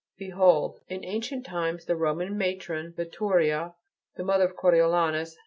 Behold in ancient times the Roman matron, Veturia, the mother of Coriolanus!